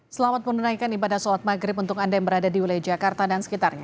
selamat menunaikan ibadah sholat maghrib untuk anda yang berada di wilayah jakarta dan sekitarnya